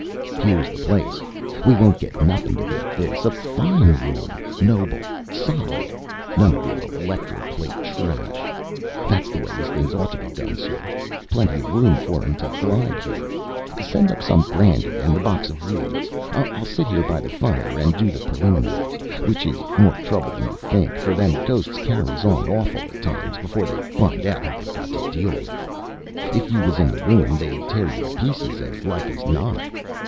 "'Ere's the place; we won't get nothin' to beat this! A fine room noble, solid, none of your electro plate trash! That's the way as things ought to be done, sir. Plenty of room for 'em to glide here. Send up some brandy and the box of weeds; I'll sit here by the fire and do the preliminaries, which is more trouble than you think; for them ghosts carries on hawful at times, before they finds out who they've got to deal with. If you was in the room they'd tear you to pieces as like as not.